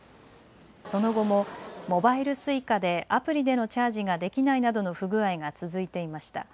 その後もモバイルＳｕｉｃａでアプリでのチャージができないなどの不具合が続いていました。